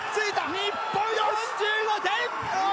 日本、４５点！